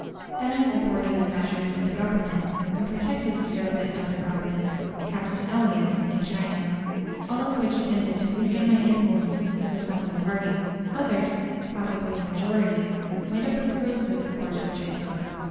Then I supported the measures of the Government, and protected the servant of the Government, Captain Elliot, in China. All of which tended to weaken my influence with some of the party; others, possibly a majority, might have approved of the course which I took.